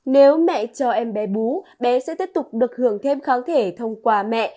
nếu mẹ cho em bé bú bé sẽ tiếp tục được hưởng thêm kháng thể thông qua mẹ